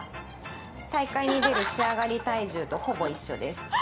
大会に出る仕上がり体重とほぼ一緒です。